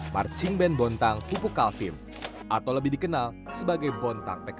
marching band bontang pupuk kalvin atau lebih dikenal sebagai bontang pk